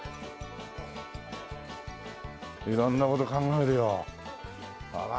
色んな事考えるよ。